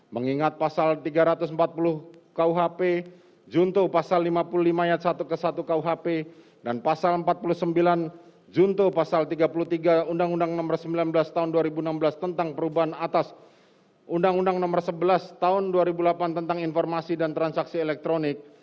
mengingat pasal tiga ratus empat puluh kuhp junto pasal lima puluh lima ayat satu ke satu kuhp dan pasal empat puluh sembilan junto pasal tiga puluh tiga undang undang nomor sembilan belas tahun dua ribu enam belas tentang perubahan atas undang undang nomor sebelas tahun dua ribu delapan tentang informasi dan transaksi elektronik